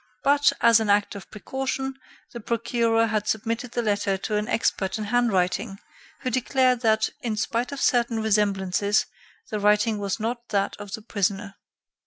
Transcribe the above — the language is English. But, as an act of precaution, the Procurer had submitted the letter to an expert in handwriting, who declared that, in spite of certain resemblances, the writing was not that of the prisoner.